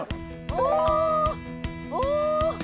お！